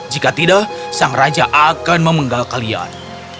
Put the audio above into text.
jika tidak sang raja akan memenggal kalian